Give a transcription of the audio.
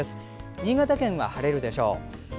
新潟県は晴れるでしょう。